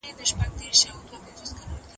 بس یوازي د یوه سړي خپلیږي